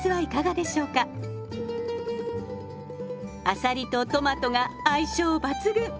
あさりとトマトが相性抜群！